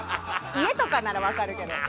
家とかなら分かるけど。